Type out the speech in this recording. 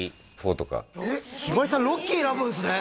ひばりさん「ロッキー」選ぶんすね